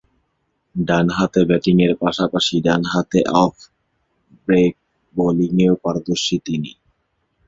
ডানহাতে ব্যাটিংয়ের পাশাপাশি ডানহাতে অফ ব্রেক বোলিংয়েও পারদর্শী তিনি।